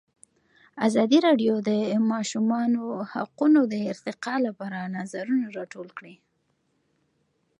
ازادي راډیو د د ماشومانو حقونه د ارتقا لپاره نظرونه راټول کړي.